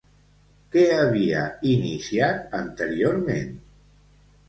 Què havia iniciat anteriorment?